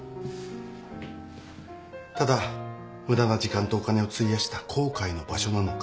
ただ無駄な時間とお金を費やした後悔の場所なのか。